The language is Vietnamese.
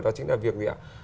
đó chính là việc